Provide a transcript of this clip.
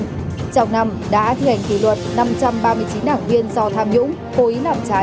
trong năm đã thi hành kỳ luật năm trăm ba mươi chín đảng viên do tham nhũng cố ý làm trái